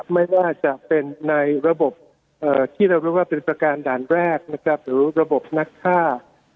ไม่ว่าจะเป็นในระบบที่เราเรียกว่าเป็นประการด่านแรกนะครับหรือระบบนักฆ่า